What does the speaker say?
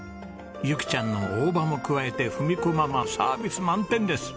ゆきちゃんの大葉も加えて文子ママサービス満点です！